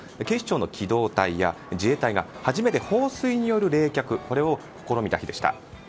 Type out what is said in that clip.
警視庁の機動隊や自衛隊が初めて放水による冷却試みた日でした。